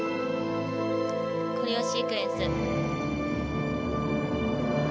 コレオシークエンス。